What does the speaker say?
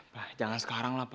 wah jangan sekarang lah pak